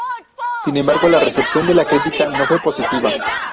Sin embargo la recepción de la crítica no fue positiva.